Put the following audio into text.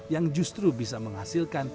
yang justru bisa menghasilkan